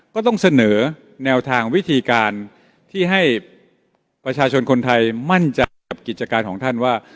ก็ต้องเสนอแนวทางวิธีการที่ให้ประชาชนคนไทยมั่นใจกับกิจการของท่านว่า